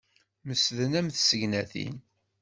Mesden am tsegnatin.